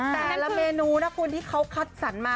แต่ละเมนูที่เค้าขัดสรรมา